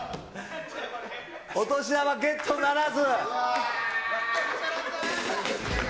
お年玉ゲットならず。